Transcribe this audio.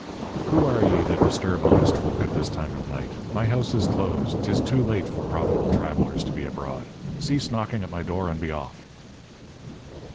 "Who are ye that disturb honest folk at this time of night? My house is closed. 'Tis too late for profitable travellers to be abroad. Cease knocking at my door, and be off."